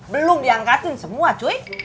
belum diangkatin semua cuy